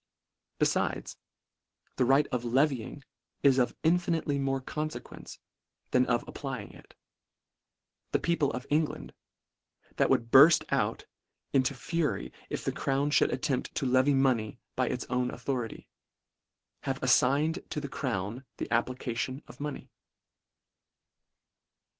Befides, the right of levying is of infinitely more confequence, than that of applying it. The people of England, that would burfl out in LETTER IX. 91 to fury, if the crown Should attempt to le vy money by its own authority, have aflign ed to the crown the application of money.